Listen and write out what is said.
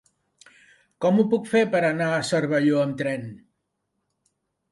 Com ho puc fer per anar a Cervelló amb tren?